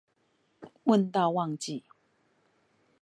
問到忘記